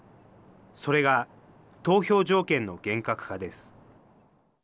それが投票条件の厳格化です。